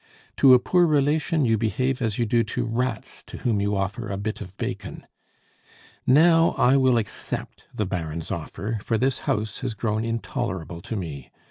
To a poor relation you behave as you do to rats to whom you offer a bit of bacon. Now, I will accept the Baron's offer, for this house has grown intolerable to me.